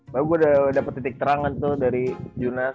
bah gue udah dapet titik terangan tuh dari juna